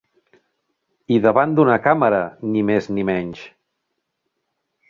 I davant d'una càmera, ni més ni menys!